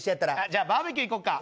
じゃあバーベキュー行こうか。